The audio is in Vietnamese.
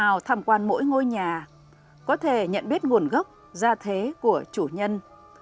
đến vinahow tham quan mỗi ngôi nhà có thể nhận biết nguồn gốc gia thế của chủ nhân